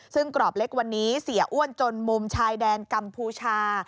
ซึ่งกรอบเล็กวันนี้เสียอ้วนจนมุมชายแดนกัมพูชา